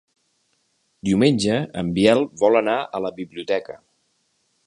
Diumenge en Biel vol anar a la biblioteca.